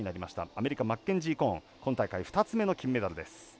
アメリカ、マッケンジー・コーン今大会、２つ目の金メダルです。